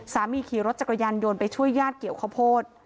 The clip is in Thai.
ขี่รถจักรยานยนต์ไปช่วยญาติเกี่ยวข้าวโพด